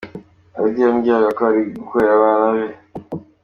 Radio yambwiraga ko ari gukorera abana be.